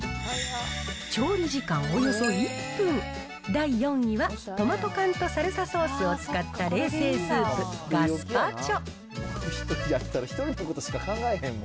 調理時間およそ１分、第４位は、トマト缶とサルサソースを使った冷製スープ、ガスパチョ。